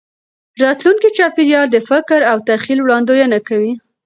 راتلونکي چاپېریال د فکر او تخیل وړاندوینه کوي.